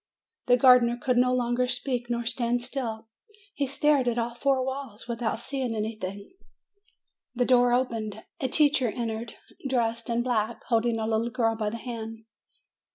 The gardener could no longer speak nor stand still ; 302 MAY he stared at all four walls, without seeing any thing. The door opened; a teacher entered, dressed in black, holding a little girl by the hand.